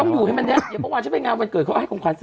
อย่าเพราะว่าจะไปงานวันเกิดเค้าให้ของขวัญเสร็จ